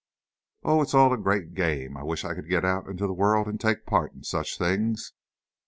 "Oh, it's all a great game! I wish I could get out into the world and take part in such things!"